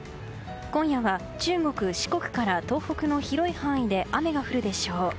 今夜は中国・四国から東北の広い範囲で雨が降るでしょう。